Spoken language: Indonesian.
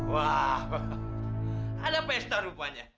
wah ada pesta rupanya